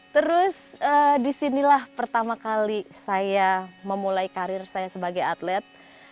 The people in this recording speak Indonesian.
terus disinilah pertama kali saya memulai karir saya sebagai atlet